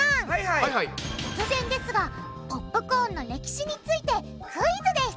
突然ですがポップコーンの歴史についてクイズです！